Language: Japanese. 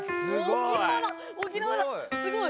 すごい！